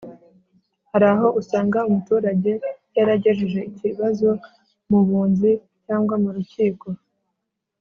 Hari aho usanga umuturage yaragejeje ikibazo mu bunzi cyangwa mu rukiko